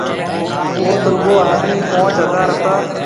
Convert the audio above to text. اوٿ رُگو آڏمِي پونچ ھزار ھتا۔